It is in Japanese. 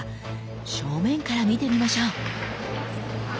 正面から見てみましょう。